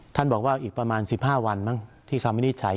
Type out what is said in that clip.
บอกว่าอีกประมาณ๑๕วันมั้งที่คำวินิจฉัย